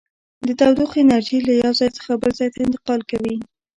د تودوخې انرژي له یو ځای څخه بل ځای ته انتقال کوي.